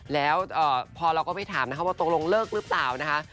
แล้วพอเราก็ไปถามนะคะว่าตกลงเลิกหรือเปล่านะคะ